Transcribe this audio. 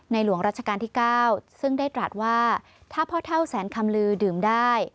หลวงราชการที่๙ซึ่งได้ตรัสว่าถ้าพ่อเท่าแสนคำลือดื่มได้